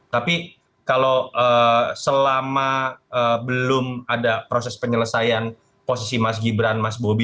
tapi kalau selama belum ada proses penyelesaian posisi mas gibran mas bobi